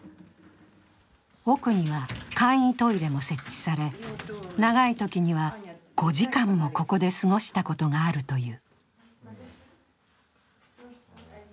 奥には簡易トイレも設置され、長いときには５時間もここで過ごしたことがあるという。